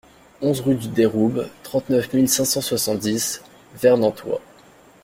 onze rue du Déroube, trente-neuf mille cinq cent soixante-dix Vernantois